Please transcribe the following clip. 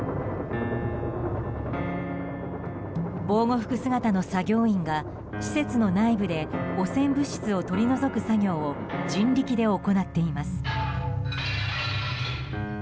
防護服姿の作業員が施設の内部で汚染物質を取り除く作業を人力で行っています。